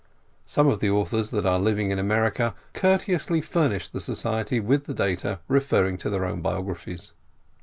Some of the authors that are living in America courteously fur nished the Society with the data referring to their own biographies.